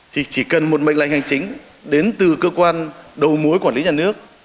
thì chỉ cần một mệnh lệnh hành chính đến từ cơ quan đầu mối quản lý nhà nước